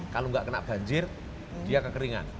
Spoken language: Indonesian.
kalau nggak kena banjir dia kekeringan